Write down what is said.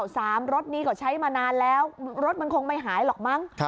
รถนี้ก็ใช้มานานแล้วรถมันคงไม่หายหรอกมั้ง